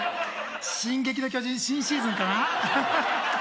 「進撃の巨人」新シーズンかな？